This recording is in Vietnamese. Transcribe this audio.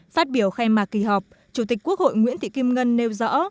phát biểu khai mạc kỳ họp chủ tịch quốc hội nguyễn thị kim ngân nêu rõ